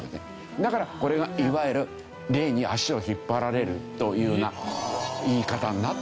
だからこれがいわゆる霊に足を引っ張られるというような言い方になってきたんじゃないか。